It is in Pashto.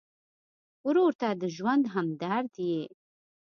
ورور ته د ژوند همدرد یې.